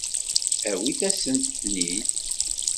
Awit-asent-ten-id.